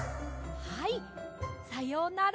はいさようなら。